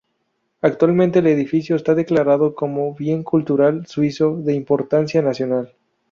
Actualmente el edificio está declarado como bien cultural suizo de importancia nacional.